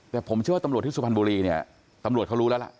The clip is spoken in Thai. แต่ผมเชื่อว่าตำรวจที่สุพรรณบุรีเนี่ยตำรวจเขารู้แล้วล่ะ